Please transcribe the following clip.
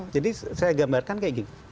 jadi saya gambarkan seperti ini